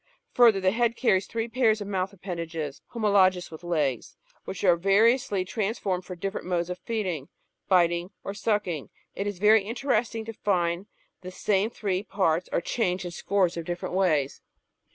Further, the head carries three pairs of mouth appendages (homologous with legs) , which are variously transformed for different modes of feeding, biting, or sucking. It is very interesting to find that the same three parts are changed in scores of different ways.